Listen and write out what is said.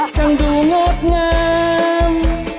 ช่างดูงดงาม